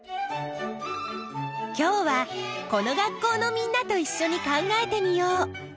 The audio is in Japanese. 今日はこの学校のみんなといっしょに考えてみよう。